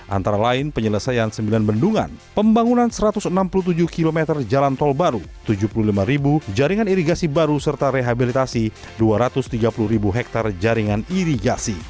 antara lain penyelesaian sembilan bendungan pembangunan satu ratus enam puluh tujuh km jalan tol baru tujuh puluh lima jaringan irigasi baru serta rehabilitasi dua ratus tiga puluh ribu hektare jaringan irigasi